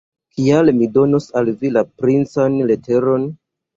Kial mi donos al vi la princan leteron?